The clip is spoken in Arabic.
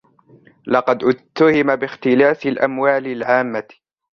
لقد اتُّهِمَ باختلاس الأموال العامّة.